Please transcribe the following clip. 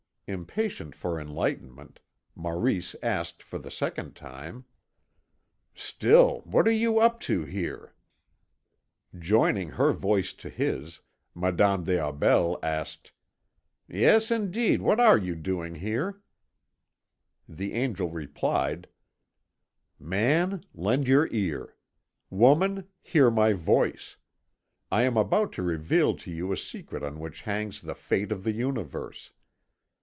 Impatient for enlightenment, Maurice asked for the second time: "Still, what are you up to here?" Joining her voice to his, Madame des Aubels asked: "Yes, indeed, what are you doing here?" The Angel replied: "Man, lend your ear. Woman, hear my voice. I am about to reveal to you a secret on which hangs the fate of the Universe.